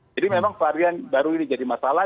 jadi memang varian baru ini jadi masalah